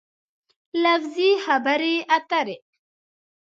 لفظي خبرې اترې